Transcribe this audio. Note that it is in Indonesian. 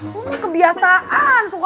lo mah kebiasaan